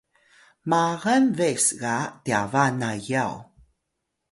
magal bes ga tyaba na yaw